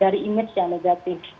dari image yang negatif